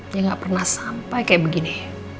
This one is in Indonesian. dia gak pernah sampai kayak begini